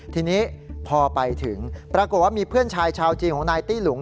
ทีนี้พอไปถึงปรากฏว่ามีเพื่อนชายชาวจีนของนายตี้หลุง